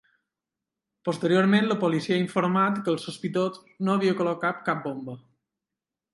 Posteriorment, la policia ha informat que el sospitós no havia col·locat cap bomba.